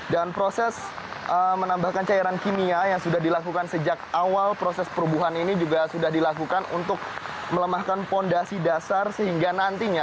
dan proses menambahkan cairan kimia yang sudah dilakukan sejak awal proses perubuhan ini juga sudah dilakukan untuk melemahkan fondasi dasar sehingga nantinya